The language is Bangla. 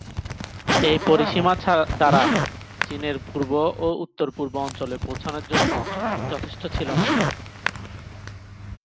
এই পরিসীমা দ্বারা চীনের পূর্ব ও উত্তর-পূর্ব অঞ্চলে পৌঁছানোর জন্য যথেষ্ট ছিল না।